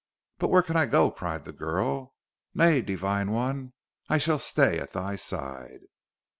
"But where can I go?" cried the girl. "Nay, Divine One I shall stay at thy side!"